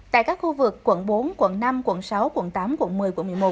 tại các khu vực quận bốn quận năm quận sáu quận tám quận một mươi quận một mươi một